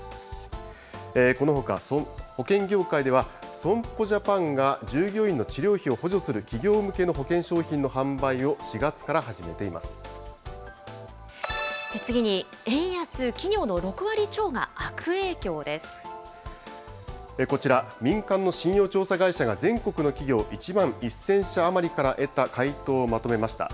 このほか、保険業界では、損保ジャパンが従業員の治療費を補助する企業向けの保険商品の販次に、円安、こちら、民間の信用調査会社が、全国の企業１万１０００社余りから得た回答をまとめました。